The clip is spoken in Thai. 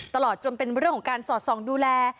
ตลอดจนเป็นเรื่องของการสอดส่องดูแล